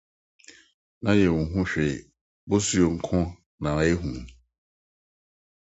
Na yenhu hwee, bosuo nko na yehu.